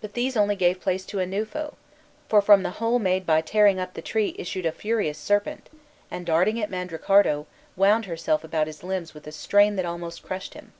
But these only gave place to a new foe; for from the hole made by tearing up the tree issued a furious serpent, and, darting at Mandricardo, wound herself about his limbs with a strain that almost crushed him.